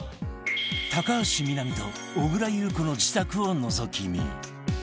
高橋みなみと小倉優子の自宅をのぞき見